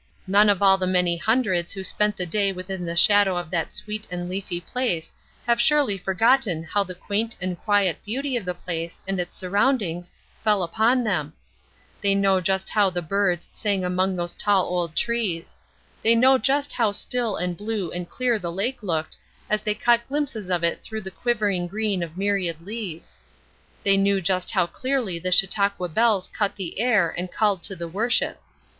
None of all the many hundreds who spent the day within the shadow of that sweet and leafy place have surely forgotten how the quaint and quiet beauty of the place and its surroundings fell upon them; they know just how the birds sang among those tall old trees; they know just how still and blue and clear the lake looked as they caught glimpses of it through the quivering green of myriad leaves; they know just how clearly the Chautauqua bells cut the air and called to the worship.